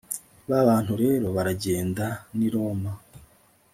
ba bantu rero baragenda n'i roma